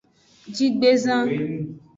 Jigbezan.